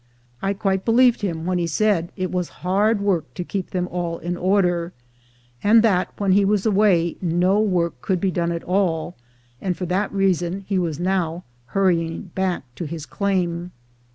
I quite believed him when he said it was hard work to keep them all in order, and that when he was away no work could be done at all, and for that reason he was now hurry ing back to his claim.